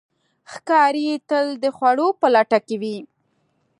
ښکاري تل د خوړو په لټه کې وي.